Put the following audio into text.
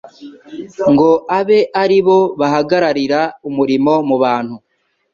ngo abe aribo bahagararira umurimo mu bantu,